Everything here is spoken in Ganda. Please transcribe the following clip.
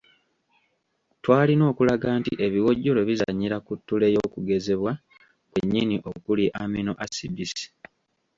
Twalina okulaga nti ebiwojjolo bizannyira ku ttule y’okugezebwa kwennyini okuli amino asidizi.